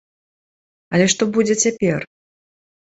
Але што будзе цяпер?